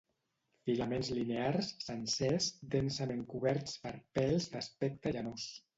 Filaments linears, sencers, densament coberts per pèls d'aspecte llanós.